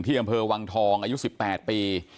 อำเภอวังทองอายุ๑๘ปี